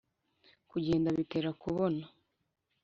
Kugenda bitera kubona.